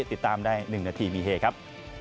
ติดตามได้๑นาทีมีเฮครับ